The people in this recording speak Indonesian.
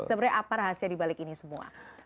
sebenarnya apa rahasia dibalik ini semua